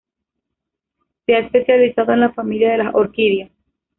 Se ha especializado en la familia de las orquídeas.